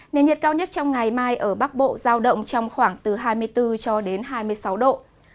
nền nhiệt cao nhất trong ngày mai ở bắc bộ giao động trong khoảng từ hai mươi bốn cho đến hai mươi sáu độ